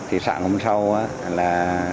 thì sáng hôm sau là